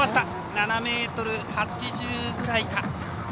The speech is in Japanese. ７ｍ８０ぐらいか。